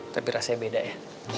tapi rasanya beda ya